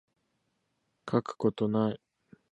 書くことない